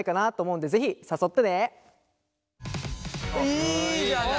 いいじゃない。